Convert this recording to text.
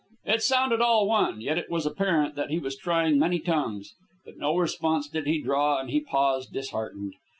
It sounded all one, yet it was apparent that he was trying many tongues. But no response did he draw, and he paused disheartened.